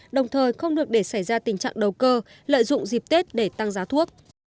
đồng thời không được để xảy ra tình trạng đầu cơ lợi dụng dịp tết để tăng giá thuốc